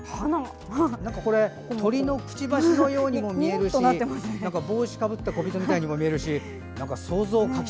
なんか、鳥のくちばしのようにも見えるし帽子かぶった小人みたいにも見えるし。